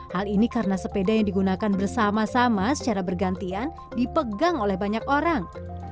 hal ini karena sepeda yang digunakan bersama sama secara bergantian dipegang oleh banyak orang